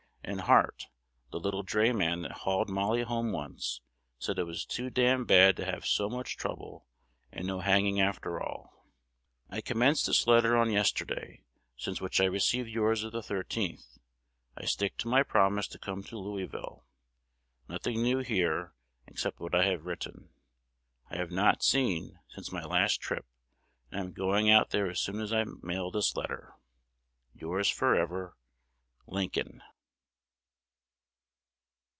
And Hart, the little drayman that hauled Molly home once, said it was too damned bad to have so much trouble, and no hanging, after all. I commenced this letter on yesterday, since which I received yours of the 13th. I stick to my promise to come to Louisville. Nothing new here, except what I have written. I have not seen since my last trip; and I am going out there as soon as I mail this letter. Yours forever, Lincoln.